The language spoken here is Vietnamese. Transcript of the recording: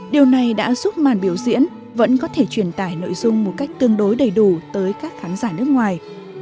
điều này đã giúp màn biểu diễn vẫn có thể truyền tải nội dung một cách tương đối đầy đủ tới các khán giả nước ngoài